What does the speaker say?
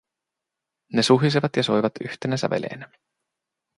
Ne suhisevat ja soivat yhtenä säveleenä.